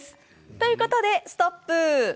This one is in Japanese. ということでストップ！